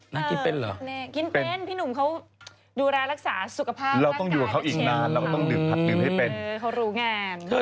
น่ากินเป็นพี่หนุ่มเขาดูแลรักษาสุขภาพร่างกายและเชียมของเขาเออเขารู้งาน